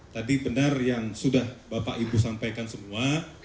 tadi benar yang sudah bapak ibu sampaikan semua